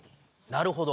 なるほど。